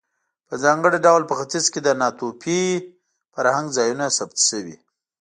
په ځانګړي ډول په ختیځ کې د ناتوفي فرهنګ ځایونه ثبت شوي.